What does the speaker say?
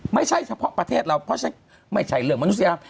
ไม่ใช่เฉพาะประเทศเราไม่ใช่เรื่องมนุษยา